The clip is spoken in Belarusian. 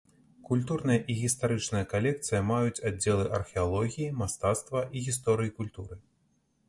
Культурная і гістарычная калекцыя маюць аддзелы археалогіі, мастацтва і гісторыі культуры.